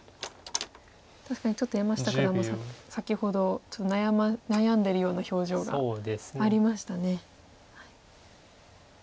確かにちょっと山下九段も先ほどちょっと悩んでるような表情がありましたね。